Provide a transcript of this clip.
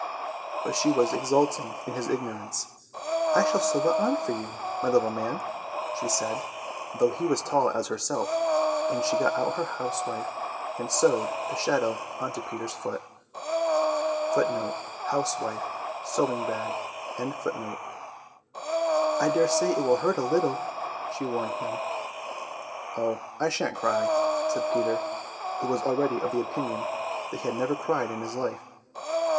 But she was exulting in his ignorance. "I shall sew it on for you, my little man," she said, though he was tall as herself, and she got out her housewife, and sewed the shadow on to Peter's foot. "I daresay it will hurt a little," she warned him. "Oh, I shan't cry," said Peter, who was already of the opinion that he had never cried in his life.